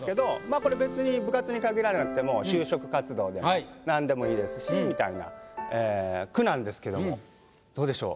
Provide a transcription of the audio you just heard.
これ別に部活に限らなくても就職活動でもなんでもいいですしみたいな句なんですけどもどうでしょう？